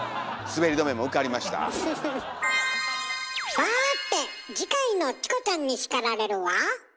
さて次回の「チコちゃんに叱られる」は？